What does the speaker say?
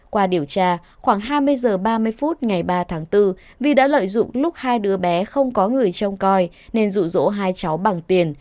qua điều tra khoảng hai mươi h ba mươi phút ngày ba tháng bốn vi đã lợi dụng lúc hai đứa bé không có người trông coi nên rụ rỗ hai cháu bằng tiền